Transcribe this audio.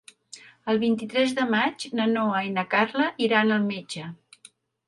El vint-i-tres de maig na Noa i na Carla iran al metge.